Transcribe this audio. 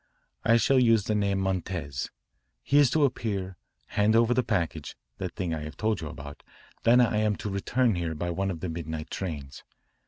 I shall use the name Montez. He is to appear, hand over the package that thing I have told you about then I am to return here by one of the midnight trains.